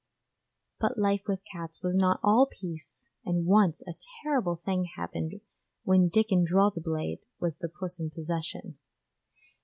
But life with cats was not all peace, and once a terrible thing happened when Dickon draw the blade was the Puss in Possession.